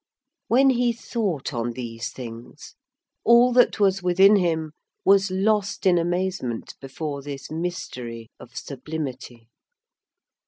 When he thought on these things, all that was within him was lost in amazement before this mystery of sublimity.